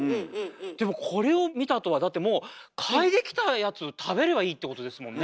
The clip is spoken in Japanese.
でもこれを見たあとはだってもう嗅いできたやつ食べればいいってことですもんね？